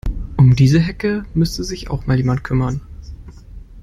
Um diese Hecke müsste sich auch mal jemand kümmern.